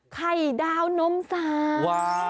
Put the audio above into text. ไข่ดาวนมสาว